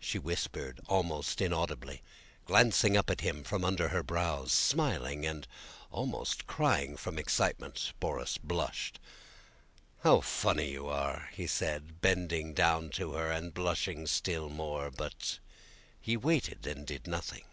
she whispered almost inaudibly, glancing up at him from under her brows, smiling, and almost crying from excitement. Borís blushed. "How funny you are!" he said, bending down to her and blushing still more, but he waited and did nothing.